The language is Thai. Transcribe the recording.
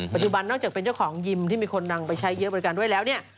นอกจากเป็นเจ้าของยิมที่มีคนนำไปใช้เยอะบริการด้วยแล้วเนี่ย